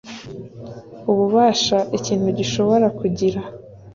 ububasha ikintu gishobora kugira